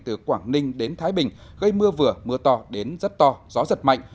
từ quảng ninh đến thái bình gây mưa vừa mưa to đến rất to gió giật mạnh